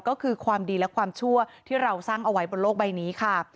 ก็คือความดีและความชั่วที่เราสร้างเอาไว้บนโลกใบนี้ค่ะ